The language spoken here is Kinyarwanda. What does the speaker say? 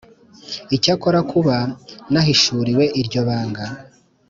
Icyakora kuba nahishuriwe iryo banga